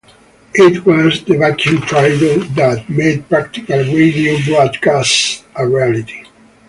It was the vacuum triode that made practical radio broadcasts a reality.